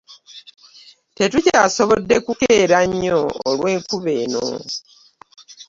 Tetukyasobodde kukeera nnyo olw'enkuba eno.